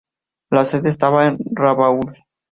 La sede estaba en Rabaul.